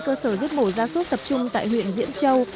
cơ sở giết mẩu gia sốt tập trung tại huyện diễm châu